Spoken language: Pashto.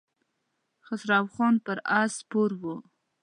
خسرو خان پر آس سپور و.